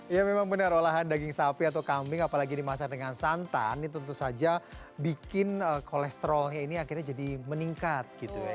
ya memang benar olahan daging sapi atau kambing apalagi dimasak dengan santan ini tentu saja bikin kolesterolnya ini akhirnya jadi meningkat gitu ya